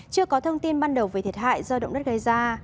chưa có thông tin ban đầu về thiệt hại do động đất gây ra